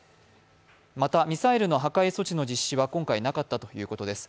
またミサイルの破壊措置の実施は今回なかったということです。